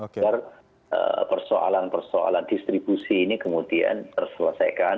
karena persoalan persoalan distribusi ini kemudian terselesaikan